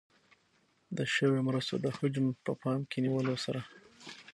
د شویو مرستو د حجم په پام کې نیولو سره.